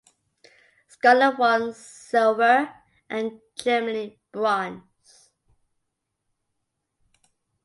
Scotland won silver, and Germany bronze.